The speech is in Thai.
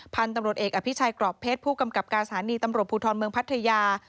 พันธุ์ตำรวจเอกอภิชัยกรอบเพชรผู้กำกับการสถานีตำรวจภูทรเมืองพัทยา